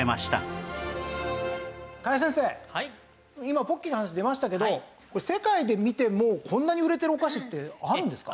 今ポッキーの話出ましたけどこれ世界で見てもこんなに売れてるお菓子ってあるんですか？